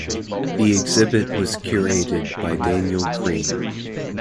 The exhibit was curated by Daniel Greene.